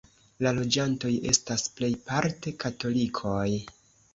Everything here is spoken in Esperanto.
La loĝantoj estas plejparte katolikoj.